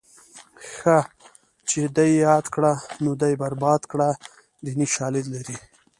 ښه چې دې یاد کړه نو دې برباد کړه دیني شالید لري